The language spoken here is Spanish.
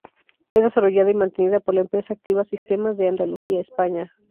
Es desarrollada y mantenida por la empresa Activa Sistemas, de Andalucía, España.